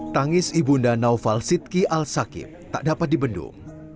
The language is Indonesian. tangis ibunda naufal sidki al sakib tak dapat dibendung